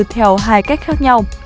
theo hai cách khác nhau